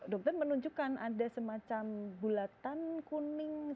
dokter menunjukkan ada semacam bulatan kuning